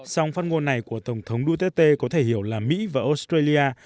song phát ngôn này của tổng thống duterte có thể hiểu là mỹ và australia